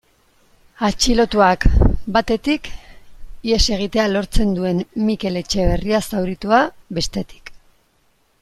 Atxilotuak, batetik, ihes egitea lortzen duen Mikel Etxeberria zauritua, bestetik.